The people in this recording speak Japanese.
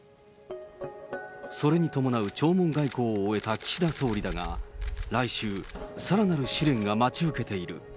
それに伴う弔問外交を終えた岸田総理だが、来週、さらなる試練が待ち受けている。